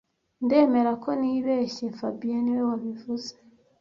Ndemera ko nibeshye fabien niwe wabivuze